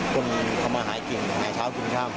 คนทำมาหากินหาเช้ากินข้าว